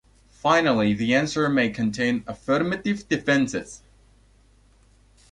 Finally, the answer may contain affirmative defenses.